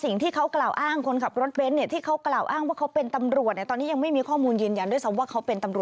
มีอาการคล้ายคนเมาเลยเหรอ